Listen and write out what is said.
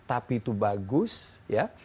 tapi itu bagus ya